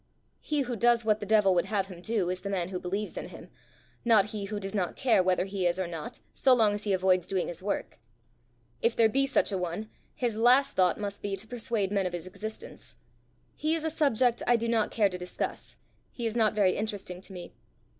"He who does what the devil would have him do, is the man who believes in him, not he who does not care whether he is or not, so long as he avoids doing his works. If there be such a one, his last thought must be to persuade men of his existence! He is a subject I do not care to discuss; he is not very interesting to me.